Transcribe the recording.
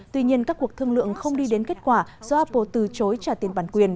tuy nhiên các cuộc thương lượng không đi đến kết quả do apple từ chối trả tiền bản quyền